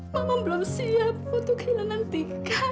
mama belum siap untuk kehilangan tiga